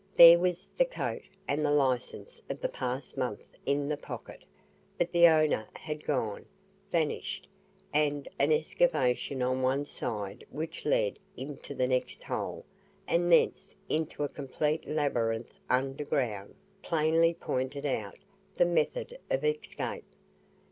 THERE was the coat and the licence of the past month in the pocket; but the owner had gone, vanished, and an excavation on one side which led into the next hole and thence into a complete labyrinth underground, plainly pointed out the method of escape.